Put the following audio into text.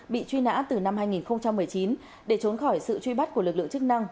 bị truy nã từ năm hai nghìn một mươi chín để trốn khỏi sự truy bắt của lực lượng chức năng